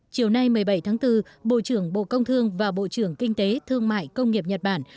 chiều nay một mươi bảy tháng bốn bộ trưởng bộ công thương và bộ trưởng kinh tế thương mại công nghiệp nhật bản